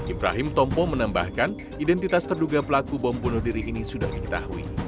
ibrahim tompo menambahkan identitas terduga pelaku bom bunuh diri ini sudah diketahui